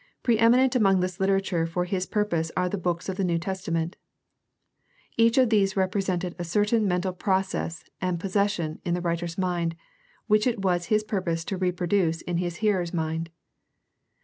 Pre eminent among this literature for his purpose are the books of the New Testament. Each of these represented a certain mental process and possession in the writer's mind which it was his purpose to reproduce in his hearer's mind.